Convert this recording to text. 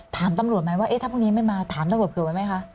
ถามตำรวจไหมว่าถ้าพรุ่งนี้ไม่มาถามตำรวจเผื่อไว้ไหมคะ